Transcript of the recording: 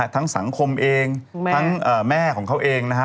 สังคมเองทั้งแม่ของเขาเองนะฮะ